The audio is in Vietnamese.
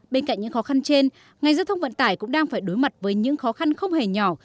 bên cạnh những khó khăn trên ngành giao thông vận tải cũng đang phải đối mặt với những khó khăn không hề nhỏ